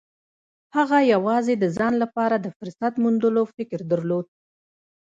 هغه يوازې د ځان لپاره د فرصت موندلو فکر درلود.